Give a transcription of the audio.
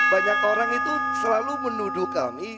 banyak orang itu selalu menuduh kami